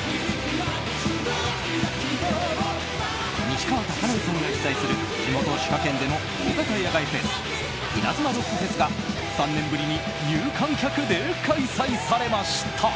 西川貴教さんが主催する地元・滋賀県での大型野外フェスイナズマロックフェスが３年ぶりに有観客で開催されました。